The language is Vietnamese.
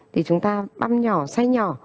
thì chúng ta băm nhỏ xay nhỏ